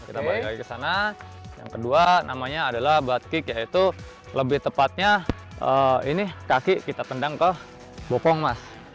kita balik lagi ke sana yang kedua namanya adalah batik yaitu lebih tepatnya ini kaki kita tendang ke bopong mas